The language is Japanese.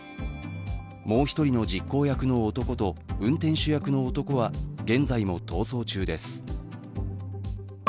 もう一人の実行役の男と運転手役の男は現在も逃走中です。